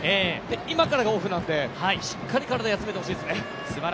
今からがオフなんで、しっかり体を休めてほしいですね。